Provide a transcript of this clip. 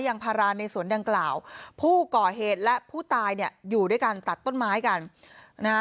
พาราในสวนดังกล่าวผู้ก่อเหตุและผู้ตายเนี่ยอยู่ด้วยกันตัดต้นไม้กันนะฮะ